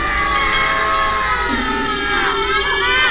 tidak ada yang bisa dipercaya